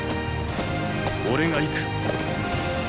俺が行く！